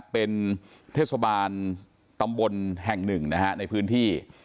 เป็นเทศบาลตำบลแห่งหนึ่งนะฮะในพื้นที่